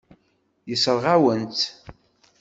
Yessṛeɣ-awen-tt.